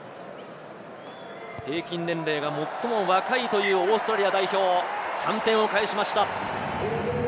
平均年齢が最も若いというオーストラリア代表、３点を返しました。